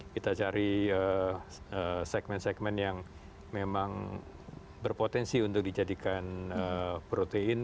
kita cari segmen segmen yang memang berpotensi untuk dijadikan protein